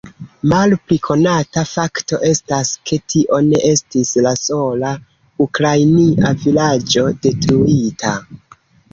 Malpli konata fakto estas, ke tio ne estis la sola ukrainia vilaĝo detruita.